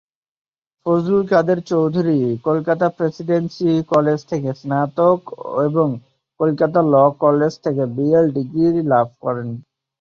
Fazlul Quader Chowdhury Kolkata presidency college থেকে স্নাতক এবং কলকাতা ল’ কলেজ থেকে বিএল ডিগ্রী লাভ করেন।